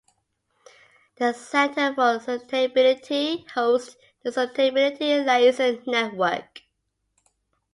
The Center for Sustainability hosts the Sustainability Liaison Network.